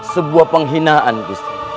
sebuah penghinaan gusipra